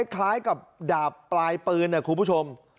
คล้ายกับดาบปลายปืนนะคุณผู้ชม